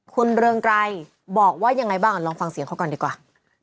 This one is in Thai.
คุณเรืองไกรบอกว่ายังไงบ้างลองฟังเสียงเขาก่อนดีกว่า